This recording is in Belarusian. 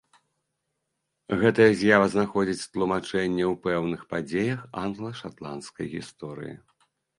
Гэтая з'ява знаходзіць тлумачэнне ў пэўных падзеях англа-шатландскай гісторыі.